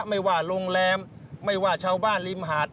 ไม่ว่าโรงแรมไม่ว่าชาวบ้านริมหาด